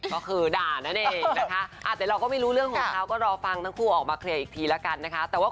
ก็คือด่านั่นเองนะคะแต่เราก็ไม่รู้เรื่องของเขาก็รอฟังทั้งคู่ออกมาเคลียร์อีกทีแล้วกันนะคะ